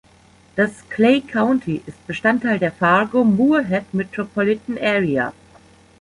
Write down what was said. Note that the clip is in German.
Das Clay County ist Bestandteil der "Fargo–Moorhead Metropolitan Area".